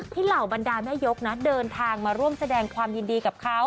เหล่าบรรดาแม่ยกนะเดินทางมาร่วมแสดงความยินดีกับเขา